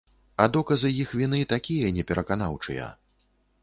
А доказы іх віны такія непераканаўчыя.